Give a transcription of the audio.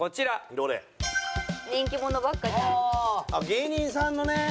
芸人さんのね。